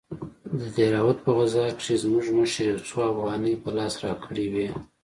د دهراوت په غزا کښې زموږ مشر يو څو اوغانۍ په لاس راکړې وې.